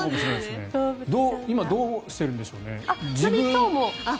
今どうしているんでしょうね。